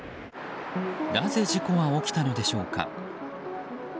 なぜ事故は起きたのでしょうか。